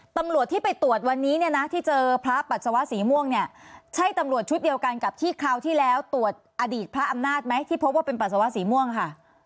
ตำรวจที่ไปตรวจวันนี้เนี่ยนะที่เจอพระปัสสาวะสีม่วงเนี่ยใช่ตำรวจชุดเดียวกันกับที่คราวที่แล้วตรวจอดีตพระอำนาจไหมที่พบว่าเป็นปัสสาวะสีม่วงค่ะ